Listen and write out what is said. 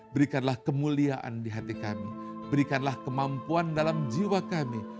berikanlah kemuliaan di hati kami berikanlah kemampuan dalam jiwa kami